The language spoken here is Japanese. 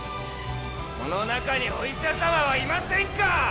この中にお医者様はいませんか？